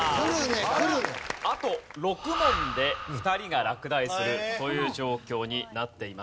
あと６問で２人が落第するという状況になっています。